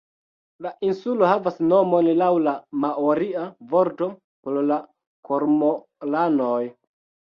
La insulo havas nomon laŭ la maoria vorto por la kormoranoj.